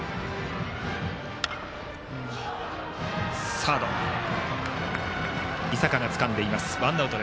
サード、井坂がつかんでワンアウト。